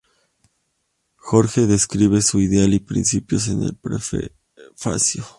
Jorge describe su ideal y principios en el prefacio.